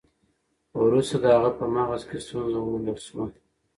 وروسته د هغه په مغز کې ستونزه وموندل شوه.